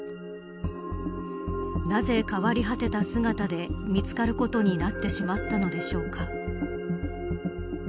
なぜ、変わり果てた姿で見つかることになってしまったのでしょうか。